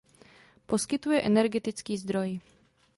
Poskytuje energetický zdroj.